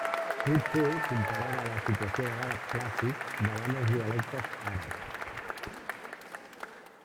Pot ser comparada a la situació de l'àrab clàssic davant els dialectes àrabs.